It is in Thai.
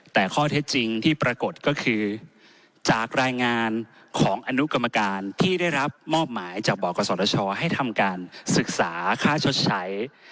แต่ข้อเท็จจริงที่ปรากฏก็คือจากรายงานของอนุกรรมการที่ได้รับมอบหมายจากบกศชให้ทำการศึกษาค่าชดใช้